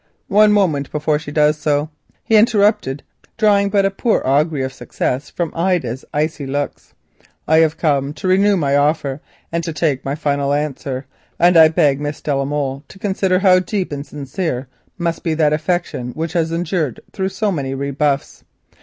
"One moment before she does so," Mr. Cossey interrupted, drawing indeed but a poor augury of success from Ida's icy looks. "I have come to renew my offer and to take my final answer, and I beg Miss de la Molle to consider how deep and sincere must be that affection which has endured through so many rebuffs.